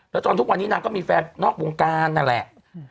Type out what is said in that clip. แล้วจนทุกวันนี้นางก็มีแฟนนอกวงการนั่นแหละ